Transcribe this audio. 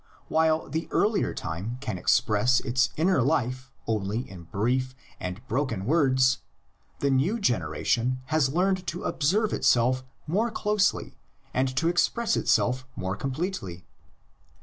While the earlier time can express its inner life only in brief and broken words, the new generation has learned to observe itself more closely and to express itself more com pletely.